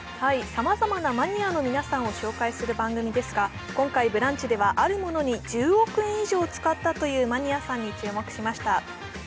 さまざまなマニアの皆さんを紹介する番組ですが、今回「ブランチ」では、あるものに１０億円以上使ったというマニアさんに注目しました。